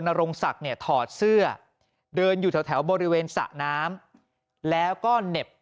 นรงศักดิ์เนี่ยถอดเสื้อเดินอยู่แถวบริเวณสระน้ำแล้วก็เหน็บ